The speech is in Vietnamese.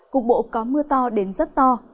cục bộ có mưa to đến rất to